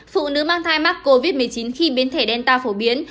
phụ nữ mang thai mắc covid một mươi chín khi biến thể đen tạo phổ biến